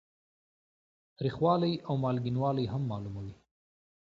تریخوالی او مالګینوالی هم معلوموي.